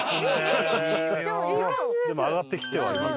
でも上がってきてはいます。